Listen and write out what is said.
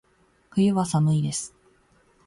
冬は、寒いです。